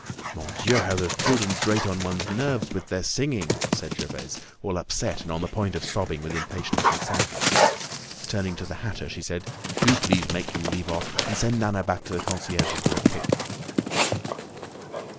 "Mon Dieu! how those children grate on one's nerves with their singing!" said Gervaise, all upset and on the point of sobbing with impatience and sadness. Turning to the hatter, she said: "Do please make them leave off, and send Nana back to the concierge's with a kick."